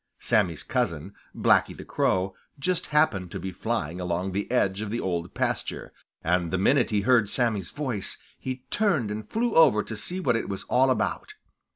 Sammy's cousin, Blacky the Crow, just happened to be flying along the edge of the Old Pasture, and the minute he heard Sammy's voice, he turned and flew over to see what it was all about.